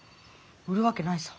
売るわけないさ。